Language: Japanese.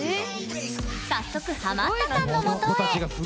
早速、ハマったさんのもとへ。